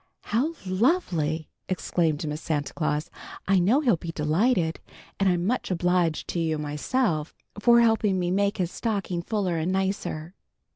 "How lovely!" exclaimed Miss Santa Claus. "I know he'll be delighted, and I'm much obliged to you myself, for helping me make his stocking fuller and nicer."